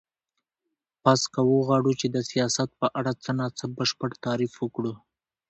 پس که وغواړو چی د سیاست په اړه څه نا څه بشپړ تعریف وکړو